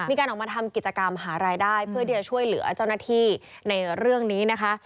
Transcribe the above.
มีการออกมาทำกิจกรรมหารายได้เพื่อที่จะช่วยเหลือเจ้าหน้าที่ในเรื่องนี้นะคะ